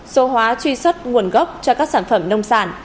số hóa truy xuất nguồn gốc cho các sản phẩm nông sản